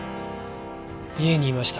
家にいました。